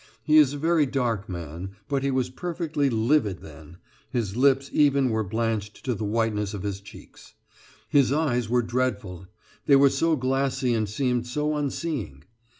He is a very dark man, but be was perfectly livid then his lips even were blanched to the whiteness of his cheeks. His eyes were dreadful, they were so glassy and seemed so unseeing.